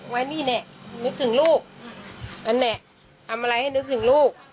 ไว้นี่แหละนึกถึงลูกนั่นแหละทำอะไรให้นึกถึงลูก